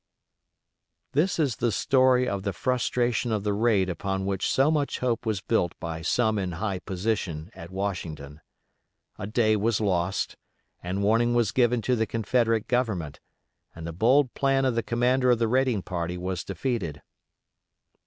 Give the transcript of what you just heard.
This is the story of the frustration of the raid upon which so much hope was built by some in high position at Washington. A day was lost, and warning was given to the Confederate Government, and the bold plan of the commander of the raiding party was defeated.